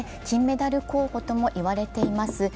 金メダル候補とも言われています